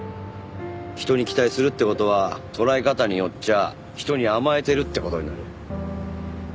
人に期待するって事は捉え方によっちゃ人に甘えてるって事になる。